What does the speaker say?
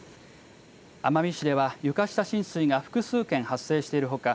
奄美市では床下浸水が複数件発生しているほか